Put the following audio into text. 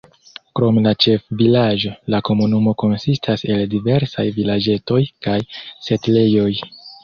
Krom la ĉefvilaĝo la komunumo konsistas el diversaj vilaĝetoj kaj setlejoj.